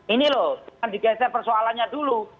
ini loh di geser persoalannya dulu